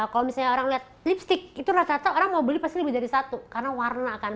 kalau misalnya orang lihat lipstick itu rata rata orang mau beli pasti lebih dari satu karena warna kan